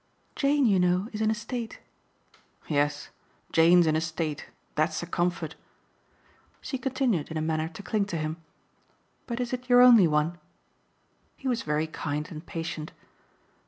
"Jane, you know, is in a state." "Yes, Jane's in a state. That's a comfort!" She continued in a manner to cling to him. "But is it your only one?" He was very kind and patient.